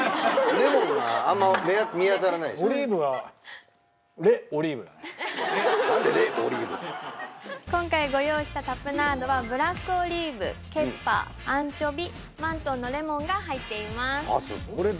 レ・オリーブって今回ご用意したタプナードはブラックオリーブケッパーアンチョビマントンのレモンが入っています